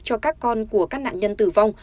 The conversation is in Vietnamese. cho các con của các nạn nhân tử vong